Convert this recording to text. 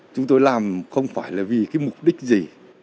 chúng tôi làm không phải là vì cái mục đích gì